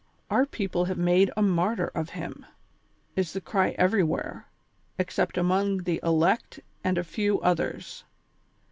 "Our people have made a martyr of him, is the cry everywhere, except among the elect and a few others.